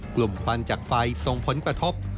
กลุ่มควันจากไฟส่งผลกระทบ